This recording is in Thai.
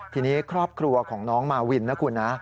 ทีนี้ครอบครัวของน้องมาวินนะคุณนะ